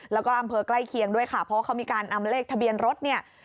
แล้วก็อำเภอใกล้เคียงด้วยค่ะเพราะว่าเขามีการนำเลขทะเบียนรถเนี่ย